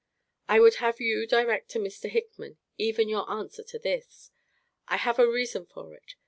I would have you direct to Mr. Hickman, even your answer to this. I have a reason for it.